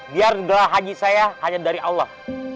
biar gerah haji saya hanya dari allah